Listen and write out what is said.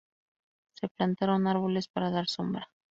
Se plantaron árboles para dar sombra.